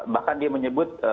bahkan dia menyebut